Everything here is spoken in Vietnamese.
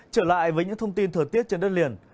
trở lại với những thông tin thời tiết trên đất liền